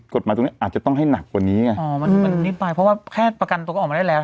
กฎหมายตรงนี้อาจจะต้องให้หนักกว่านี้ไงอ๋อมันมันรีบไปเพราะว่าแค่ประกันตัวก็ออกมาได้แล้ว